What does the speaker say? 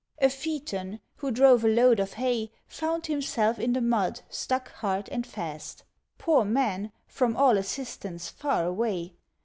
A Phaeton, who drove a load of hay, Found himself in the mud stuck hard and fast: Poor man! from all assistance far away.